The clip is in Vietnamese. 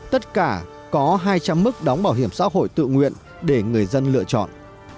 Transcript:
tất cả có hai trăm linh mức đóng bảo hiểm xã hội tự nguyện để người dân lựa chọn